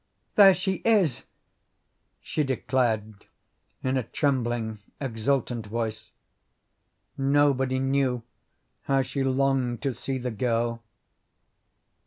"There she is!" she declared in a trembling, exultant voice. Nobody knew how she longed to see the girl.